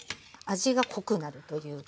味が濃くなるというか。